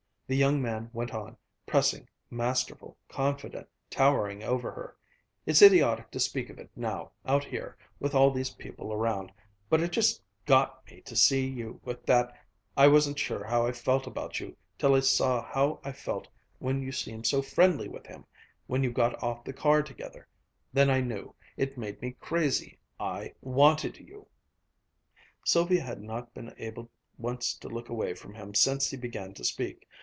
The young man went on, pressing, masterful, confident, towering over her: "It's idiotic to speak of it now, out here with all these people around but it just got me to see you with that I wasn't sure how I felt about you till I saw how I felt when you seemed so friendly with him, when you got off the car together. Then I knew. It made me crazy I wanted you!" Sylvia had not been able once to look away from him since he began to speak.